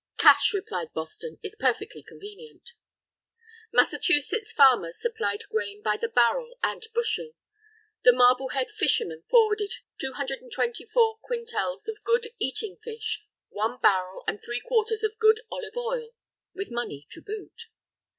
"Cash," replied Boston, "if perfectly convenient." Massachusetts farmers supplied grain by the barrel and bushel. The Marblehead fishermen forwarded "two hundred and twenty four quintels of good eating fish, one barrel and three quarters of good olive oil" with money to boot.